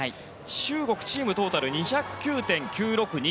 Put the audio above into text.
中国チームトータル２０９．９６２